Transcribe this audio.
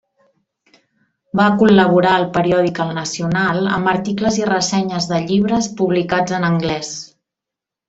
Va col·laborar al periòdic El Nacional amb articles i ressenyes de llibres publicats en anglès.